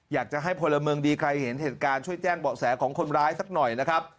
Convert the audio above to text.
อยากจะให้พลเมืองดีใครเห็นเหตุการณ์ช่วยแจ้งเบาะแสของคนร้ายสักหน่อยนะครับ